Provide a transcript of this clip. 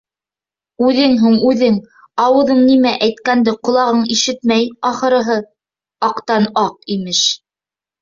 Үҙең һуң, үҙең, ауыҙың нимә әйткәнде ҡолағың ишетмәй, ахырыһы, аҡтан-аҡ, имеш...